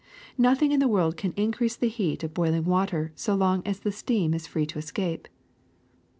Nothing in the world can increase the heat of boiling water so long as the steam is free to escape."